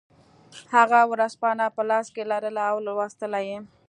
هغه ورځپاڼه په لاس کې لرله او لوستله یې